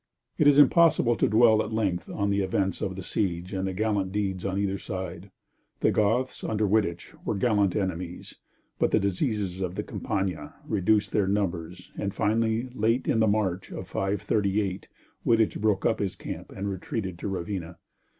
It is impossible to dwell at length on the events of the siege and the gallant deeds on either side. The Goths, under Wittich, were gallant enemies, but the diseases of the Campagna reduced their numbers, and finally, late in the March of 538, Wittich broke up his camp and retreated to Ravenna.